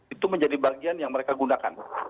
itu menjadi bagian yang mereka gunakan